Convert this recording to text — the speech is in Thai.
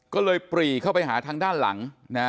ก็เลยปรีเข้าไปหาทางด้านหลัง